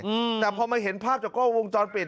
อืมแต่พอมาเห็นภาพจากกล้องวงจรปิด